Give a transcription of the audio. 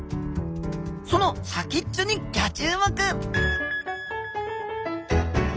その先っちょにギョ注目！